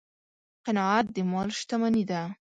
قناعت د مال شتمني ده.